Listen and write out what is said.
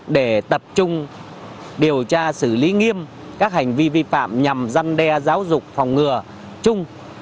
để tập trung điều tra xử lý nghiêm các hành vi vi phạm nhằm dăn đe giáo dục phòng ngừa chung